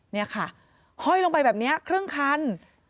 นี่ค่ะห้อยลงไปแบบนี้ครึ่งคัน